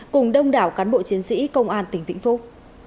cùng đông đảo cán bộ chiến sĩ công an tỉnh vĩnh phúc